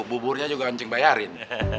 buburnya juga incing bayarin